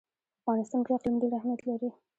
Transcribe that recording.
په افغانستان کې اقلیم ډېر اهمیت لري.